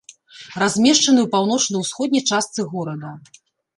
Размешчаны ў паўночна-ўсходняй частцы горада.